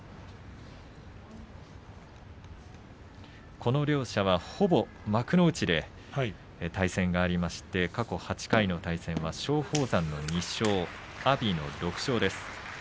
この両者ほぼ幕内で対戦がありまして過去８回の対戦は松鳳山の２勝阿炎の６勝です。